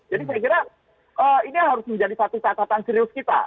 jadi saya kira ini harus menjadi satu catatan serius kita